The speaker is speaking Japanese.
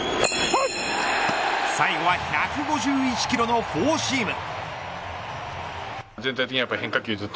最後は１５１キロのフォーシーム。